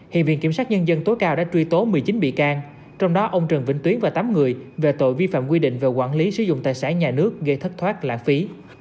hiện viện kiểm sát nhân dân tối cao đã truy tố một mươi chín bị can trong đó ông trần vĩnh tuyến và tám người về tội vi phạm quy định về quản lý sử dụng tài sản nhà nước gây thất thoát lãng phí